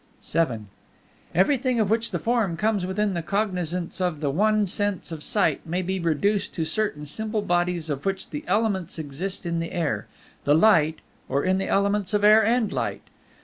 VII Everything of which the form comes within the cognizance of the one sense of Sight may be reduced to certain simple bodies of which the elements exist in the air, the light, or in the elements of air and light.